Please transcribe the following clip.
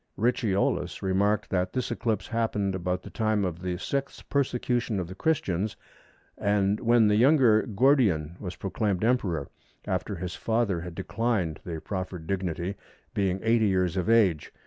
Ricciolus remarked that this eclipse happened about the time of the Sixth Persecution of the Christians, and when the younger Gordian was proclaimed Emperor, after his father had declined the proffered dignity, being 80 years of age.